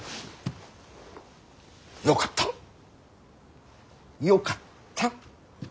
よかったよかった。